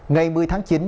ngày một mươi tháng chín